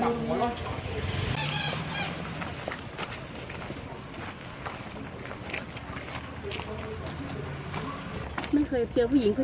จอตรงนี้แต่ว่าหันไปอีกทางไม่เคยเจอผู้หญิงขึ้น